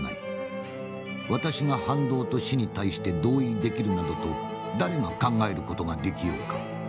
私が反動と死に対して同意できるなどと誰が考える事ができようか。